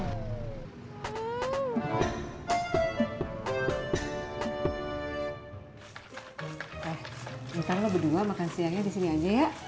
eh nanti lo berdua makan siangnya di sini aja ya